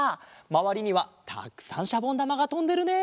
まわりにはたくさんしゃぼんだまがとんでるね！